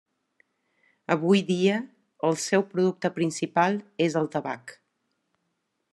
Avui dia, el seu producte principal és el tabac.